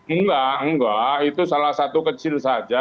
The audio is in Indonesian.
enggak enggak itu salah satu kecil saja